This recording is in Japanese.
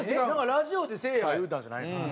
なんかラジオでせいやが言うたんじゃないの？